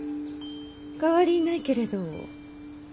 変わりないけれど。